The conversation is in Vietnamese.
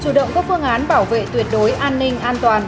chủ động các phương án bảo vệ tuyệt đối an ninh an toàn